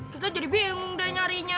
kita jadi bingung udah nyarinya